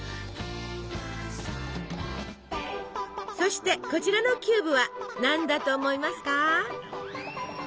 そしてこちらのキューブは何だと思いますか？